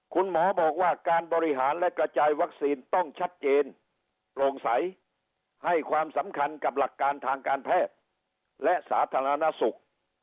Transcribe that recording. คุณหมอบอกว่าการบริหารและกระจายวัคซีนต้องชัดเจนโปร่งใสให้ความสำคัญกับหลักการทางการแพทย์และสาธารณสุข